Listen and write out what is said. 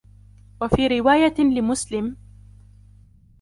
وفي روايةٍ لمسلمٍ: